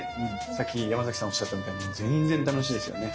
さっきヤマザキさんおっしゃったみたいに全然楽しいですよね。